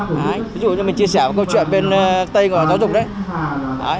ví dụ như mình chia sẻ một câu chuyện bên tây của giáo dục đấy